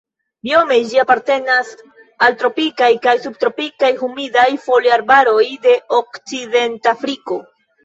Biome ĝi apartenas al tropikaj kaj subtropikaj humidaj foliarbaroj de Okcidentafriko.